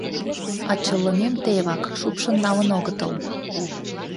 А чылымем тевак, шупшын налын огытыл.